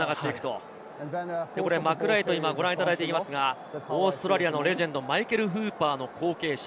マクライト今ご覧いただいていますが、オーストラリアのレジェンド、マイケル・フーパーの後継者。